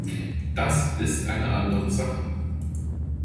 Das ist eine andere Sache.